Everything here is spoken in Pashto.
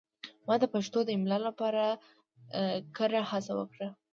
ما د پښتو د املا لپاره کره هڅه وکړه.